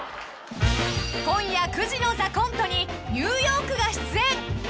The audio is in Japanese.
［今夜９時の『ＴＨＥＣＯＮＴＥ』にニューヨークが出演］